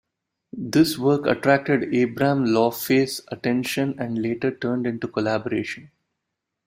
This work attracted Abram Ioffe's attention and later turned into collaboration.